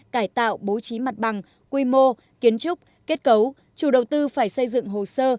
cải tạo bố trí mặt bằng quy mô kiến trúc kết cấu chủ đầu tư phải xây dựng hồ sơ